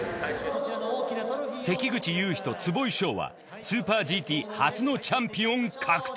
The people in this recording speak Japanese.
関口雄飛と坪井翔はスーパーＧＴ初のチャンピオン獲得！